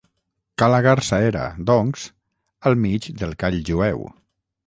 Ca la garsa era, doncs, al mig del call jueu.